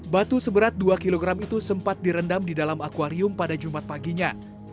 batu seberat dua kg itu sempat direndam di dalam akwarium pada jumat paginya